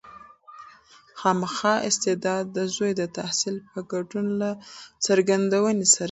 خامخا استعداد د زوی د تحصیل په ګډون له څرګندونې سره زیاتوي.